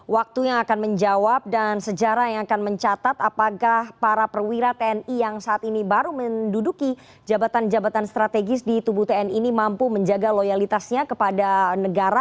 waktu yang akan menjawab dan sejarah yang akan mencatat apakah para perwira tni yang saat ini baru menduduki jabatan jabatan strategis di tubuh tni ini mampu menjaga loyalitasnya kepada negara